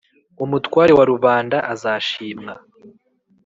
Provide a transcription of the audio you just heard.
umutware wa rubanda azashimwa